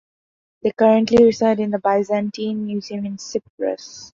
They currently reside in the Byzantine Museum in Cyprus.